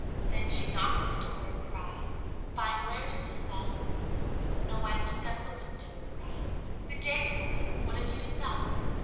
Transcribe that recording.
Then she knocked at the door, and cried, "Fine wares to sell!" Snow White looked out of the window, and cried, "Good day, good woman; what have you to sell?"